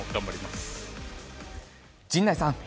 陣内さん。